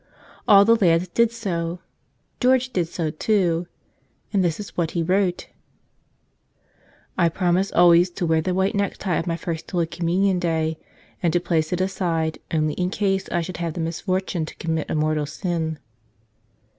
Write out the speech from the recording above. All the lads did so. George did so, too. And this is what he wrote: "I promise always to wear the white necktie of my First Holy Communion day, and to place it aside only in case I should have the misfortune to commit a mortal sin."